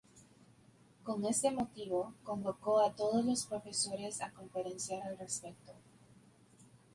Con este motivo, convocó a todos los profesores a conferenciar al respecto.